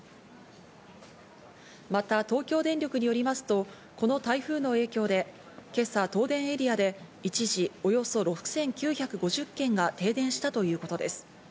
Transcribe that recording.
また東京電力によりますと、この台風の影響で今朝、東電エリアで一時およそ６９５０軒が停電したということです。